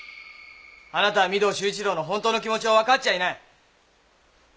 あなたは御堂周一郎の本当の気持ちを分かっちゃいない。